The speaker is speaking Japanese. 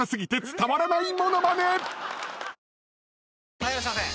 ・はいいらっしゃいませ！